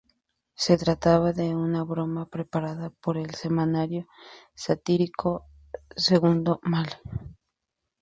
Se trataba de una broma preparada por el semanario satírico Il Male.